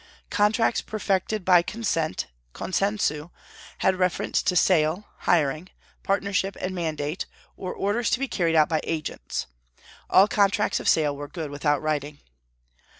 Contracts perfected by consent, consensu, had reference to sale, hiring; partnership, and mandate, or orders to be carried out by agents. All contracts of sale were good without writing.